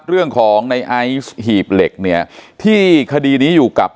เรื่องของในไอซ์หีบเหล็กเนี่ยที่คดีนี้อยู่กับ